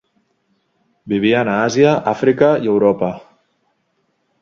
Vivien a Àsia, Àfrica i Europa.